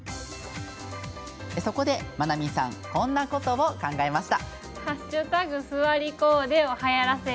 そこで、まなみさんこんなことを考えました。